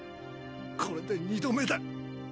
これで２度目だ。